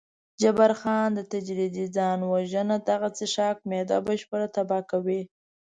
جبار خان: تدریجي ځان وژنه، دغه څښاک معده بشپړه تباه کوي.